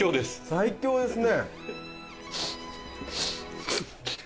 最強ですね